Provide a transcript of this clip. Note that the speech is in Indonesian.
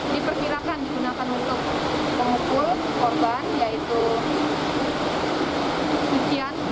diperkirakan digunakan untuk memukul korban yaitu cucian